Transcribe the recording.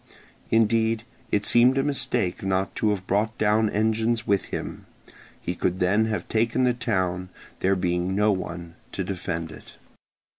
Indeed, it seemed a mistake not to have brought down engines with him; he could then have taken the town, there being no one to defend it.